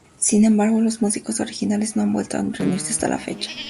Sin embargo, los músicos originales no han vuelto a reunirse hasta la fecha.